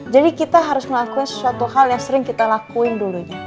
jadi kita harus ngelakuin sesuatu hal yang sering kita lakuin dulunya